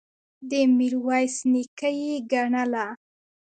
د میرویس نیکه یې ګڼله.